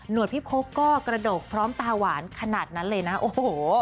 พี่พกก็กระโดกพร้อมตาหวานขนาดนั้นเลยนะโอ้โห